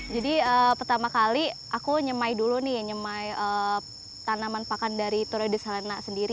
jadi pertama kali aku nyemai dulu nih nyemai tanaman pakan dari troides helena sendiri